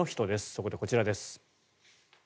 そこでこちらです。